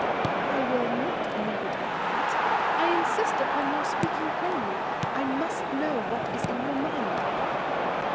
"I will not leave it at that. I insist upon your speaking plainly. I must know what is in your mind."